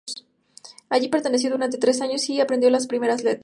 Allí permaneció durante tres años y aprendió las primeras letras.